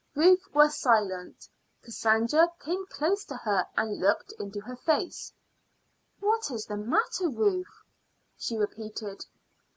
Ruth was silent. Cassandra came close to her and looked into her face. "What is the matter, Ruth?" she repeated.